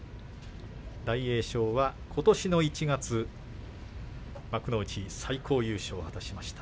大栄翔はことしの１月幕内最高優勝を果たしています。